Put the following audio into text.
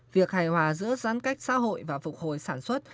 việc hài hòa giữa giãn cách xã hội và phục hồi sản xuất